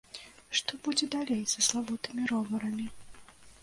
Што будзе далей са славутымі роварамі?